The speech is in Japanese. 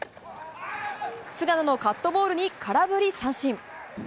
菅野のカットボールに空振り三振。